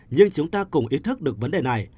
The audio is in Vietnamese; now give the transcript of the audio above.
nhưng chúng ta cùng ý thức được vấn đề này